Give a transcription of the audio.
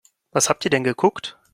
Was habt ihr denn geguckt?